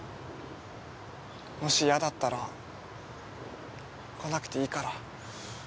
もし嫌だったら来なくていいから。